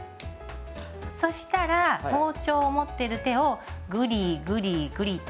そしたら包丁を持ってる手をグリグリグリと。